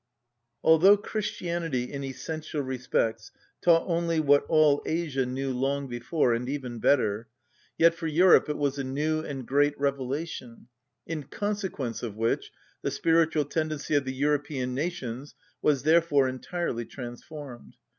_) Although Christianity, in essential respects, taught only what all Asia knew long before, and even better, yet for Europe it was a new and great revelation, in consequence of which the spiritual tendency of the European nations was therefore entirely transformed.